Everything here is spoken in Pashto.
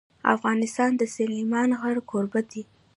افغانستان د سلیمان غر کوربه دی.